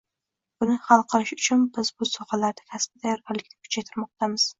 Buni hal qilish uchun biz bu sohalarda kasbiy tayyorgarlikni kuchaytirmoqdamiz ”